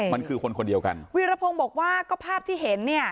มันคือคนคนเดียวกันวีรพงศ์บอกว่าก็ภาพที่เห็นเนี่ย